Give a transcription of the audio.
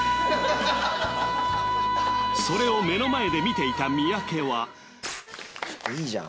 それを目の前で見ていた三宅はいいじゃん